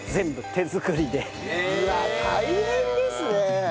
うわ大変ですね。